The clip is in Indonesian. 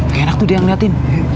gak enak tuh dia yang liatin